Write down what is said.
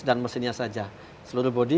dan mesinnya saja seluruh bodi